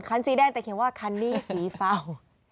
คันสีแดงแต่เขียนว่าคันลี่สีฟ้า